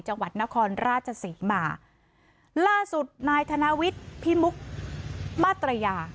จังหวัดนครราชศรีมาล่าสุดนายธนวิทย์พิมุกมาตรยา